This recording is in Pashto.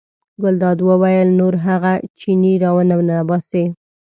ګلداد وویل نور هغه چینی را ونه ننباسئ.